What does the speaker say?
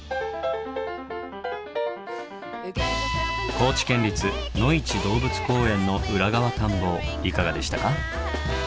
高知県立のいち動物公園の裏側探訪いかがでしたか？